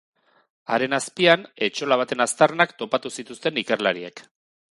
Haren azpian etxola baten aztarnak topatu zituzten ikerlariek.